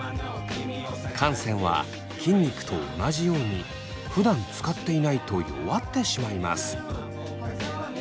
汗腺は筋肉と同じようにふだん使っていないと弱ってしまいます。